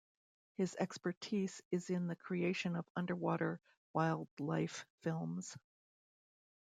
His expertise is in the creation of underwater wildlife films.